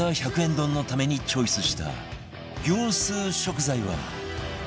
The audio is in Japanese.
丼のためにチョイスした業スー食材は